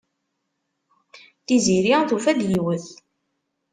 Tiziri tufa-d yiwet.